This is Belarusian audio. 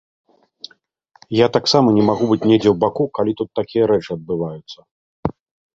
Я таксама не магу быць недзе ў баку, калі тут такія рэчы адбываюцца.